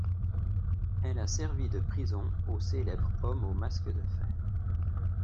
Elle a servi de prison au célèbre homme au masque de fer.